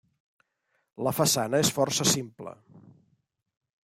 La façana és força simple.